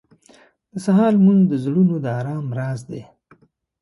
• د سهار لمونځ د زړونو د ارام راز دی.